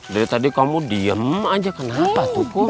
dari tadi kamu diem aja kenapa tuh